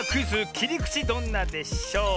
「きりくちどんなでショー」。